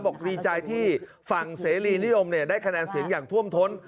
บอกดีใจที่ฝั่งเสรีนิยมได้คะแนนเสียงอย่างท่วมท้น